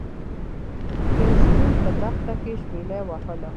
یو شپون په دښته کې شپيلۍ وهله.